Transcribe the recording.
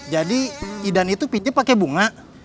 jadi idan itu pinjem pake bunga